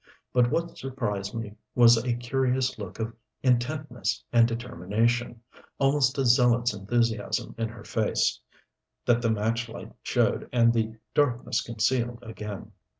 But what surprised me was a curious look of intentness and determination, almost a zealot's enthusiasm in her face, that the match light showed and the darkness concealed again.